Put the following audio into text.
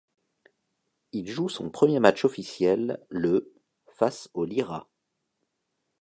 Il joue son premier match officiel le face au Lyra.